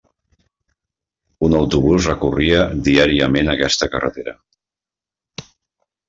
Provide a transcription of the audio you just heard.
Un autobús recorria diàriament aquesta carretera.